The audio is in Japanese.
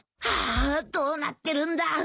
ハァどうなってるんだ。